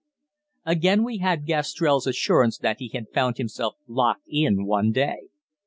Again we had Gastrell's assurance that he had found himself locked in one day.